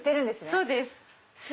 そうです。